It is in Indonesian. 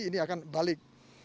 ini akan balik